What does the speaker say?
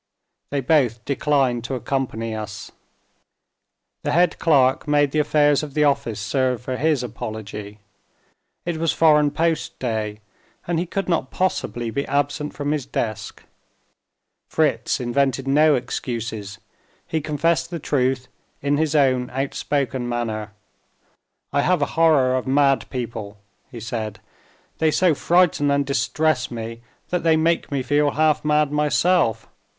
They both declined to accompany us. The head clerk made the affairs of the office serve for his apology, it was foreign post day, and he could not possibly be absent from his desk. Fritz invented no excuses; he confessed the truth, in his own outspoken manner. "I have a horror of mad people," he said, "they so frighten and distress me, that they make me feel half mad myself.